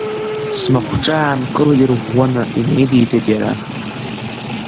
Смахәҿа аанкыл ирӷәӷәаны, инаидиҵеит иара.